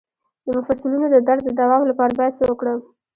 د مفصلونو د درد د دوام لپاره باید څه وکړم؟